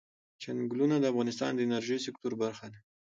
چنګلونه د افغانستان د انرژۍ سکتور برخه ده.